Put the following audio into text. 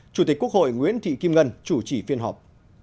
chủ tịch quốc hội nguyễn thị kim ngân chủ trì phiên họp